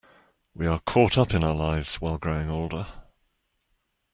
We are caught up in our lives while growing older.